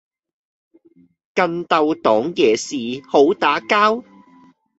更鬥黨惹事好打交